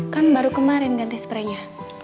kan baru kemarin ganti sprenya